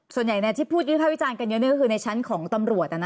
ส่วนใหญ่ที่พูดวิภาควิจารณ์กันเยอะก็คือในชั้นของตำรวจ